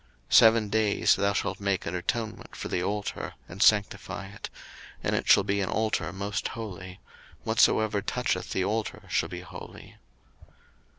02:029:037 Seven days thou shalt make an atonement for the altar, and sanctify it; and it shall be an altar most holy: whatsoever toucheth the altar shall be holy.